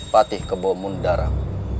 patih kebomun daram